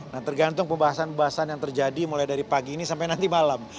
nah tergantung pembahasan pembahasan yang terjadi mulai dari pagi ini sampai nanti malam